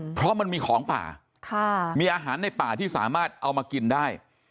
เพราะมันมีของป่ามีอาหารในป่าที่สามารถเอามากินได้